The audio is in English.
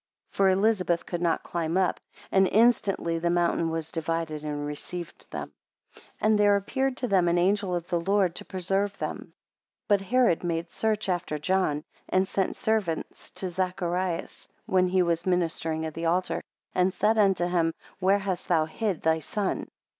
6 For Elizabeth could not climb up, 7 And instantly the mountain was divided and received them. 8 And there appeared to them an angel of the Lord to preserve them. 9 But Herod made search after John, and sent servants to Zacharias, when he was (ministering) at the altar, and said unto him, Where hast thou hid thy son?